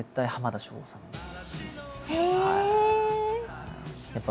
へえ！